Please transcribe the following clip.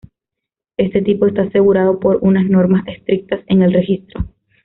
Este tipo está asegurado por unas normas estrictas en el registro.